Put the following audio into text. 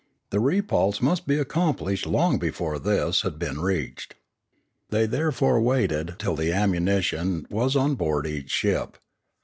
The re pulse must be accomplished long before this had been reached. They therefore waited till the ammunition was on board each ship.